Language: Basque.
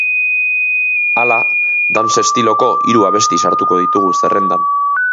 Hala, dance estiloko hiru abesti sartuko ditugu zerrendan.